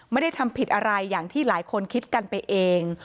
ไม่ได้ทำผิดอะไรอย่างที่หลายคนคิดกันไปเอง